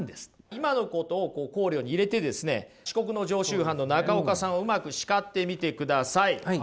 今のことを考慮に入れてですね遅刻の常習犯の中岡さんをうまく叱ってみてください。